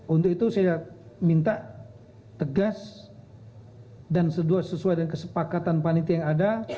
untuk itu saya minta tegas dan sesuai dengan kesepakatan panitia yang ada